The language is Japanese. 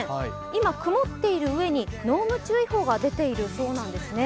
今、曇っているうえに濃霧注意報が出ているそうです。